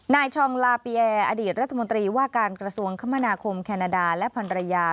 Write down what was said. ชองลาเปียอดีตรัฐมนตรีว่าการกระทรวงคมนาคมแคนาดาและพันรยา